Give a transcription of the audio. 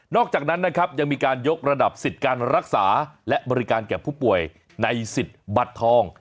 อกจากนั้นนะครับยังมีการยกระดับสิทธิ์การรักษาและบริการแก่ผู้ป่วยในสิทธิ์บัตรทอง